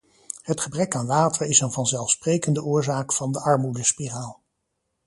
Het gebrek aan water is een vanzelfsprekende oorzaak van de armoedespiraal.